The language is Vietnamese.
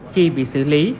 khi bị xử lý